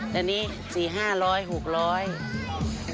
เดี๋ยวนี้๔๐๐๕๐๐บาท๖๐๐บาท